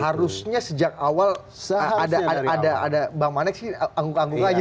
harusnya sejak awal ada bang manek sih angguk angguk aja